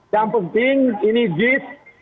yang penting ini jis